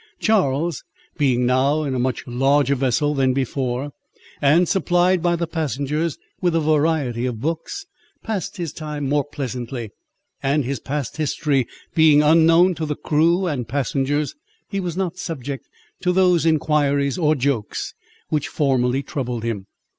Charles being now in a much larger vessel than before, and supplied by the passengers with a variety of books, passed his time more pleasantly; and his past history being unknown to the crew and passengers, he was not subject to those inquiries or jokes which formerly troubled him.